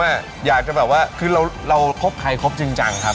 มันได้ผลใช่ไหมแล้วคุณจะให้เบอร์งนั้น